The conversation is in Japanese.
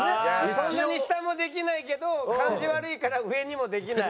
そんなに下もできないけど感じ悪いから上にもできない。